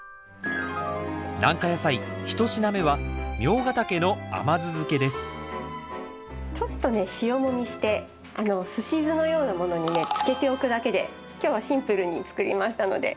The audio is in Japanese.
軟化野菜一品目はちょっとね塩もみしてすし酢のようなものにねつけておくだけで今日はシンプルに作りましたので。